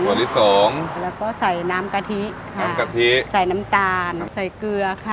อันที่สองแล้วก็ใส่น้ำกะทิค่ะน้ำกะทิใส่น้ำตาลใส่เกลือค่ะ